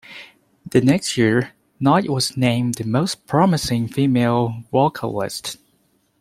The next year, Knight was named the 'Most Promising Female Vocalist'.